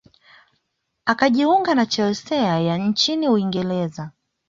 akajiunga na chelsea ya nchini uingereza